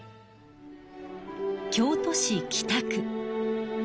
京都市北区。